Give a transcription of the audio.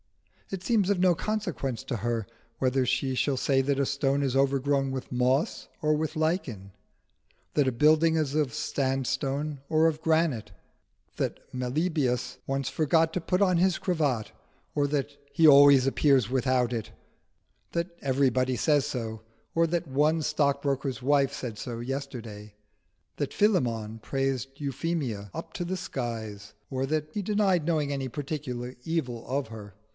It seems of no consequence to her whether she shall say that a stone is overgrown with moss or with lichen, that a building is of sandstone or of granite, that Meliboeus once forgot to put on his cravat or that he always appears without it; that everybody says so, or that one stock broker's wife said so yesterday; that Philemon praised Euphemia up to the skies, or that he denied knowing any particular evil of her.